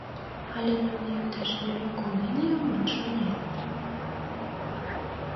— Але нуно иктаж вере колен йомыт, шонет?